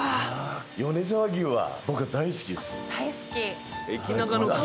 米沢牛は僕大好きです。